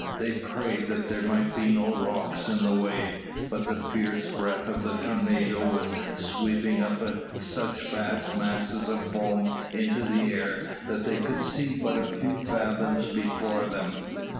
They prayed that there might be no rocks in the way, but the fierce breath of the tornado was sweeping up such vast masses of foam into the air, that they could see but a few fathoms before them.